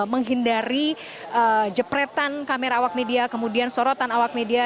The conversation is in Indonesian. menghindari jepretan kamera awak media kemudian sorotan awak media